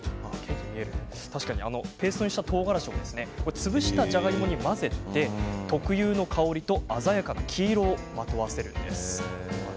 ペーストにした、とうがらしを潰したじゃがいもに混ぜて特有の香りと鮮やかな黄色をまとわせます。